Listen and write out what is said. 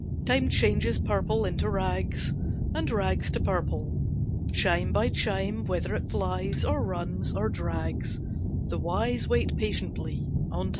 Time changes purple into rags, And rags to purple. Chime by chime, Whether it flies, or runs, or drags The wise wait patiently on Time.